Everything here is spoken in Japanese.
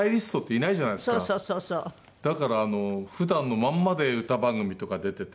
だから普段のまんまで歌番組とか出てて。